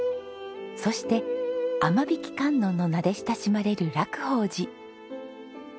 そして雨引観音の名で親しまれる楽法寺。